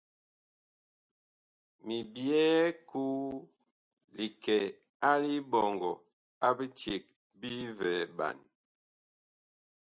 Mi byɛɛ koo li kɛ a liɓɔŋgɔ a biceg bi vɛɛɓan.